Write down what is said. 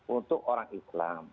untuk orang islam